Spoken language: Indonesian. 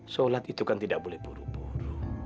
sholat itu kan tidak boleh buru buru